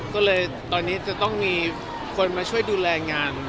ก็เลยตอนนี้จะต้องมีคนมาช่วยดูแลงาน